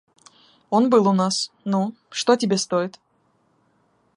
Он был у нас. Ну, что тебе стоит?